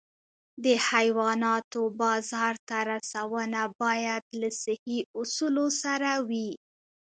د حیواناتو بازار ته رسونه باید له صحي اصولو سره وي.